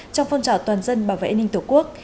trong phong trào toàn dân bảo vệ an ninh tổ quốc